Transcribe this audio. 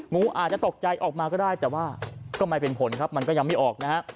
งูอาจจะตกใจออกมาก็ได้แต่ว่าก็ไม่เป็นผลครับมันก็ยังไม่ออกนะฮะ